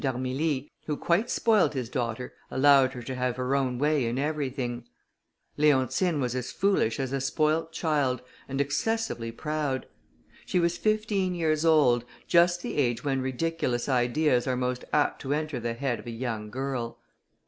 d'Armilly, who quite spoiled his daughter, allowed her to have her own way in everything. Leontine was as foolish as a spoiled child, and excessively proud. She was fifteen years old, just the age when ridiculous ideas are most apt to enter the head of a young girl.